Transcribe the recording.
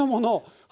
はい。